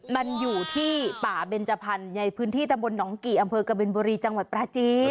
มันอยู่ที่ป่าเบนจพันธุ์ในพื้นที่ตำบลหนองกี่อำเภอกบินบุรีจังหวัดปราจีน